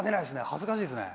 恥ずかしいっすね。